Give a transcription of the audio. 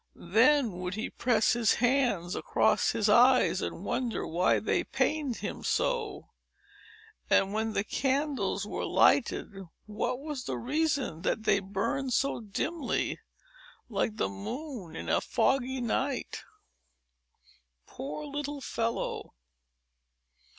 Then would he press his hands across his eyes, and wonder why they pained him so, and, when the candles were lighted, what was the reason that they burned so dimly, like the moon in a foggy night. Poor little fellow!